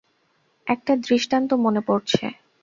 একটা দৃষ্টান্ত মনে পড়ছে।